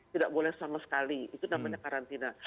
tidak boleh sama sekali itu namanya karantina